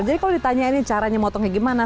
jadi kalau ditanya ini caranya potongnya gimana